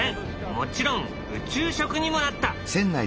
もちろん宇宙食にもなった。